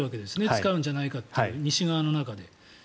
使うんじゃないかという西側の中で。